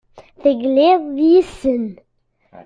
Tegliḍ yes-sen.